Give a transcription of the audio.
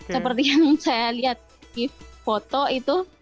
seperti yang saya lihat di foto itu